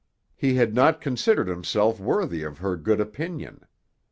He had not considered himself worthy of her good opinion.